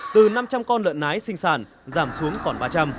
từ năm trăm linh con lợn nái sinh sản giảm xuống còn ba trăm linh